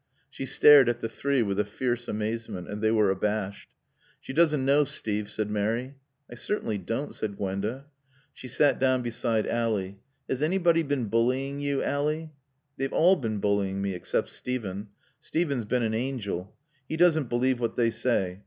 She stared at the three with a fierce amazement. And they were abashed. "She doesn't know, Steve," said Mary. "I certainly don't," said Gwenda. She sat down beside Ally. "Has anybody been bullying you, Ally?" "They've all been bullying me except Steven. Steven's been an angel. He doesn't believe what they say.